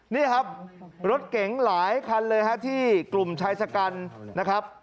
นี่ครับรถเก๋งหลายคันเลยฮะที่กลุ่มชายชะกันนะครับ